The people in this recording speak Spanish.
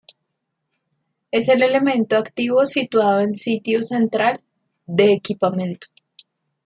Es el elemento activo situado en sitio central de equipamiento.